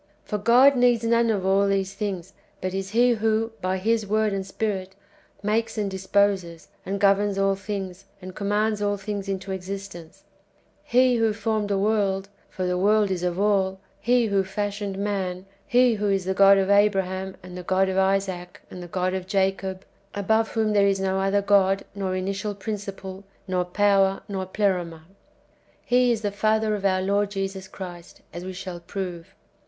For God needs none of all these things, but is He who, by His Word and Spirit, makes, and disposes, and governs all things, and com mands all things into existence, — He who formed the world (for the world is of all), — He who fashioned man, — He [who]"^ is the God of Abraham, and the God of Isaac, and the God of Jacob, above whom there is no other God, nor initial prin ciple, nor power, nor pleroma, — He is the Father of our Lord Jesus Christ, as we shall prove.